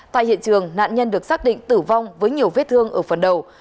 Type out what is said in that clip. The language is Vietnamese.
tại hiện trường nạn nhân được xác định tử vong với nhiều vết thương ở phần đầu